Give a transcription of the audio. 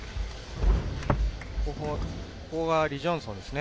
ここはリ・ジョンソンですね。